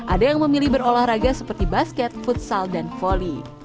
ada yang memilih berolahraga seperti basket futsal dan volley